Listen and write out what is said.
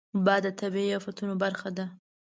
باد د طبیعي افتونو برخه ده